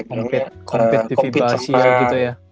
bisa compete di fiba asia gitu ya